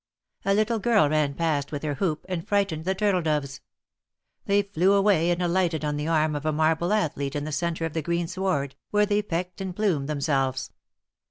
A little girl ran past with her hoop, and frightened the turtle doves. They flew away and alighted on the arm of a marble athlete in the centre of the green sward, where they pecked and plumed themselves.